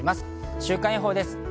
週間予報です。